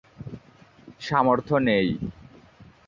সামর্থ্য নেই।